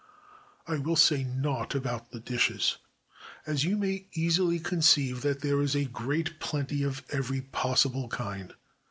I will say nought about the dishes, as you may easily conceive that there is a great plenty of every possible kind.